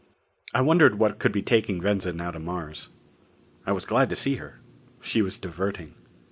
I wondered what could be taking Venza now to Mars. I was glad to see her. She was diverting.